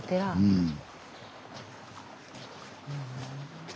うん。